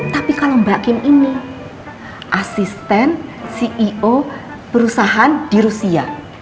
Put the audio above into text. tapi kalau mbak kim ini asisten ceo perusahaan di rusia